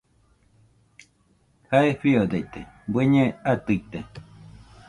Jae fiodaite bueñe atɨite